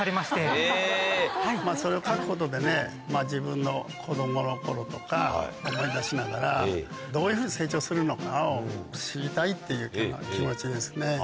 それを書くことでね、自分の子どものころとか、思い出しながら、どういうふうに成長するのかを知りたいっていう気持ちですね。